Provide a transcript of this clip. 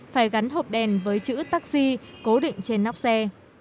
phải gắn hộp đèn với chữ taxi cố định trên nóc xe